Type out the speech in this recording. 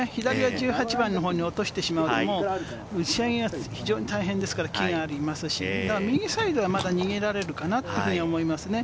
１８番のほうに落としてしまうと、打ち上げが非常に大変ですから、木がありますし、右サイドはまだ逃げられるかなと思いますね。